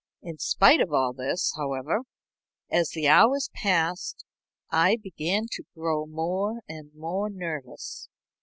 In spite of all this, however, as the hours passed I began to grow more and more nervous.